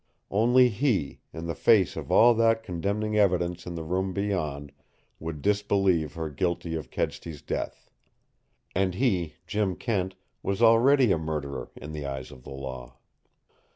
Only he, in the face of all that condemning evidence in the room beyond, would disbelieve her guilty of Kedsty's death. And he, Jim Kent, was already a murderer in the eyes of the law.